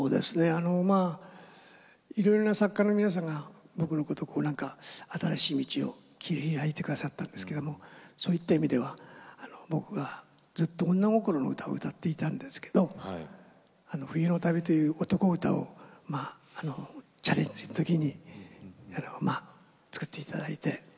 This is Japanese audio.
あのまあいろいろな作家の皆さんが僕のことをこうなんか新しい道を切り開いて下さったんですけれどもそういった意味では僕はずっと女心の歌を歌っていたんですけど「冬の旅」という男歌をチャレンジした時にまあ作って頂いて。